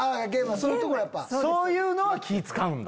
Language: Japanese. そういうのは気ぃ使うんだ。